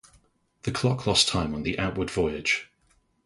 The clock lost time on the outward voyage.